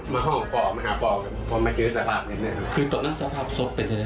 มาห้องมาหาฝ่ามาเจ๋งสภาพเนี่ย